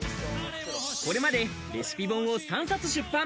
これまでレシピ本を３冊出版。